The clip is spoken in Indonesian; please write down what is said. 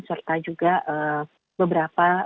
serta juga beberapa